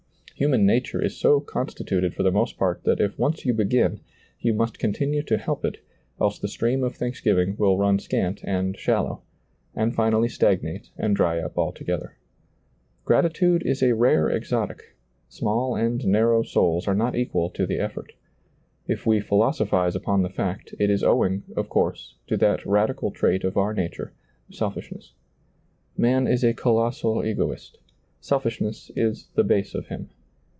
Human nature is so con stituted for the most part that if once you begin, you must continue to help it, else the stream of thanksgiving will run scant and shallow,' and finally stagnate and dry up altogether. Gratitude is a rare exotic; small and narrow souls are not equal to the eflbrt. If we philosophize upon the fact, it is owing, of course, to that radical trait of our nature, selfishness. Man is a colossal egoist ; self ishness is the base of him.